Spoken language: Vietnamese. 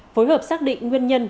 phối hợp xác định nguyên nhân